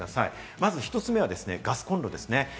まず１つ目はガスコンロです。